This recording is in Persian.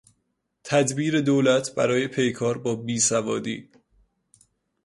تدبیر دولت برای پیکار با بیسوادی